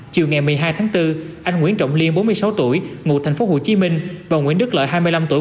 chiều ngày một mươi hai tháng bốn anh nguyễn trọng liên bốn mươi sáu tuổi ngụ thành phố hồ chí minh và nguyễn đức lợi hai mươi năm tuổi